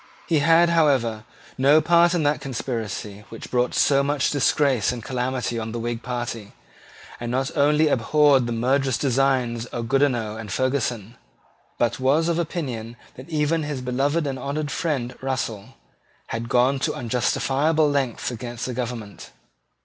He had, however, no part in that conspiracy which brought so much disgrace and calamity on the Whig party, and not only abhorred the murderous designs of Goodenough and Ferguson, but was of opinion that even his beloved and honoured friend Russell, had gone to unjustifiable lengths against the government.